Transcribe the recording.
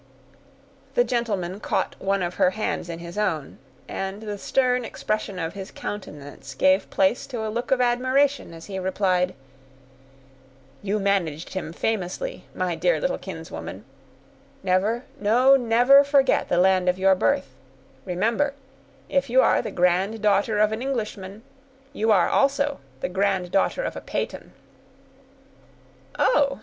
The gentleman caught one of her hands in his own, and the stern expression of his countenance gave place to a look of admiration as he replied,— "You managed him famously, my dear little kinswoman; never—no, never, forget the land of your birth; remember, if you are the granddaughter of an Englishman, you are, also, the granddaughter of a Peyton." "Oh!"